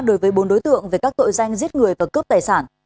đối với bốn đối tượng về các tội danh giết người và cướp tài sản